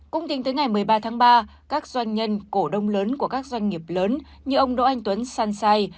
cũng tính tới ngày một mươi ba tháng ba các doanh nhân cổ đông lớn của các doanh nghiệp lớn như ông đỗ anh tuấn san say